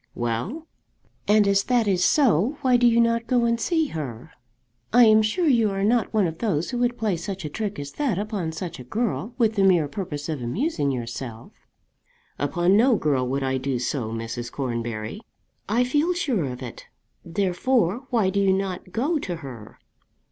"Well?" "And as that is so, why do you not go and see her? I am sure you are not one of those who would play such a trick as that upon such a girl with the mere purpose of amusing yourself." "Upon no girl would I do so, Mrs. Cornbury." "I feel sure of it. Therefore why do you not go to her?"